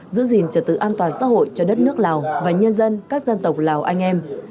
giữ gìn trật tự an toàn xã hội cho đất nước lào và nhân dân các dân tộc lào anh em